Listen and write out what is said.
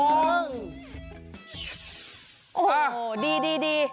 โอ้โหดี